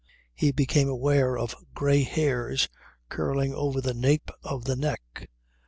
He became aware of grey hairs curling over the nape of the neck.